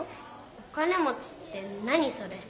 「お金もち」って何それ？